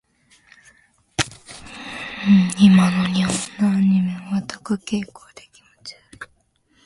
今の日本のアニメはオタク傾向で気持ち悪い。